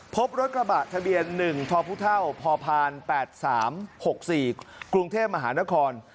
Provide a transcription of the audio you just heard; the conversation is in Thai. พบรถกระบะทะเบียน๑ทพ๘๓๖๔กรุงเทพมหานคร